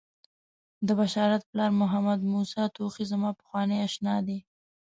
د بشارت پلار محمدموسی توخی زما پخوانی آشنا دی.